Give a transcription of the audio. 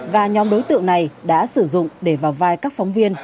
và nhóm đối tượng này đã sử dụng để vào vai các phóng viên